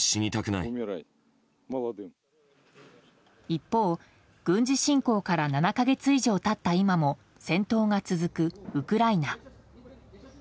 一方、軍事侵攻から７か月以上経った今も戦闘が続くウクライナ。